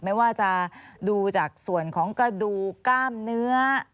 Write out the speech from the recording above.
ไม่ว่าจะดูจากส่วนของกระดูกกล้ามเนื้อ